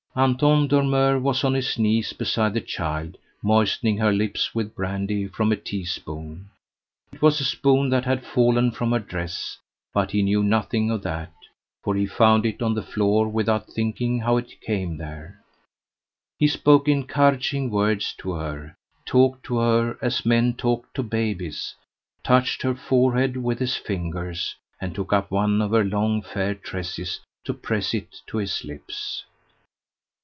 Anton Dormeur was on his knees beside the child, moistening her lips with brandy from a teaspoon (it was a spoon that had fallen from her dress, but he knew nothing of that, for he found it on the floor without thinking how it came there). He spoke encouraging words to her, talked to her as men talk to babies; touched her forehead with his fingers, and took up one of her long fair tresses to press it to his lips.